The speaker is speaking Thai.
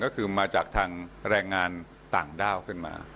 ก็คือมาจากทางแรงงานต่างด้าวขึ้นมา